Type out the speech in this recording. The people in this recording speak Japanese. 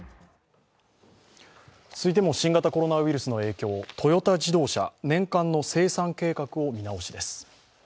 続いても新型コロナウイルスの影響、トヨタ自動車、年間の生産計画を見直しです。